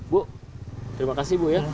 bu terima kasih ya